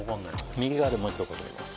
右側でもう一度こすります。